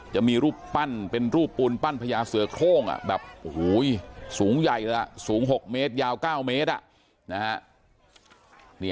จะมีรูปปั้นเป็นรูปปูนปั้นพระยาเสือโค้งสูงใหญ่ละสูง๖เมตรยาว๙เมตร